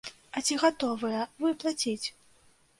А ці гатовыя вы плаціць?